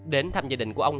đến thăm gia đình của ông